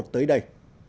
một tới đây